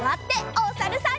おさるさん。